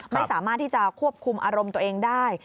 ไม่สามารถที่จะควบคุมอารมณ์ตัวเองได้